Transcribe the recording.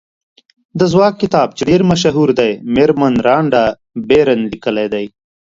د ځواک کتاب چې ډېر مشهور دی مېرمن رانډا بېرن لیکلی دی.